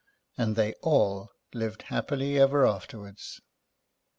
And they all lived happily ever afterwards.